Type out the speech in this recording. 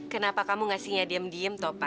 kenapa kamu beras dan sembal topan